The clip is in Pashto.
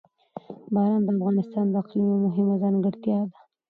باران د افغانستان د اقلیم یوه مهمه ځانګړتیا ده.